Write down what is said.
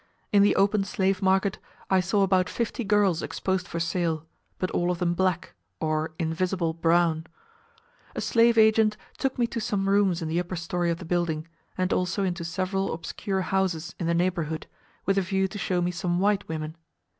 In the open slave market I saw about fifty girls exposed for sale, but all of them black, or "invisible" brown. A slave agent took me to some rooms in the upper storey of the building, and also into several obscure houses in the neighbourhood, with a view to show me some white women.